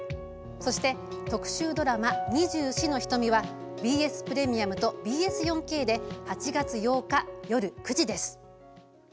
そして特集ドラマ「二十四の瞳」はＢＳプレミアムとＢＳ４Ｋで８月８日、夜９時です。